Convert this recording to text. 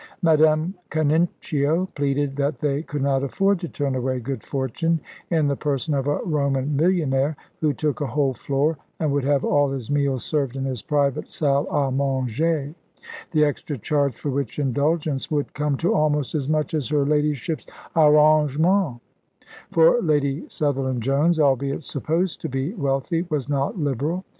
Madame Canincio pleaded that they could not afford to turn away good fortune in the person of a Roman millionaire, who took a whole floor, and would have all his meals served in his private salle à manger, the extra charge for which indulgence would come to almost as much as her ladyship's "arrangement"; for Lady Sutherland Jones, albeit supposed to be wealthy, was not liberal.